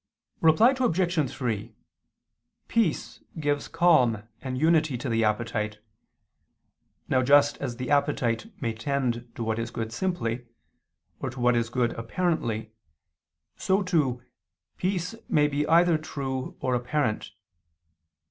Reply Obj. 3: Peace gives calm and unity to the appetite. Now just as the appetite may tend to what is good simply, or to what is good apparently, so too, peace may be either true or apparent.